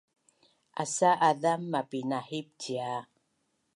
Asa azam mapinahip cia